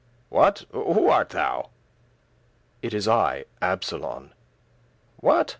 "What, who art thou?" "It is I, Absolon." "What?